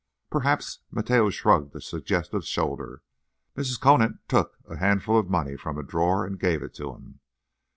"Perhaps—" Mateo shrugged a suggestive shoulder. Mrs. Conant took a handful of money from a drawer and gave it to him.